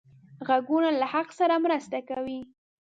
غوږونه له حق سره مرسته کوي